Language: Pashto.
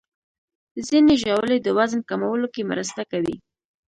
ځینې ژاولې د وزن کمولو کې مرسته کوي.